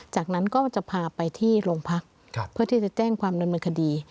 จากนั้นก็จะพาไปที่โรงพักเพื่อที่จะแจ้งความดำเนินคดี